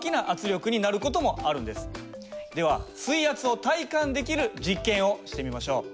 では水圧を体感できる実験をしてみましょう。